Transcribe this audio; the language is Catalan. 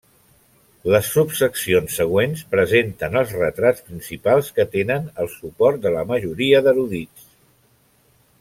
Les subseccions següents presenten els retrats principals que tenen el suport de la majoria d'erudits.